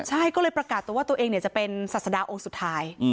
ใช่ก็เลยประกาศตัวว่าตัวเองจะเป็นศาสดาองค์สุดท้าย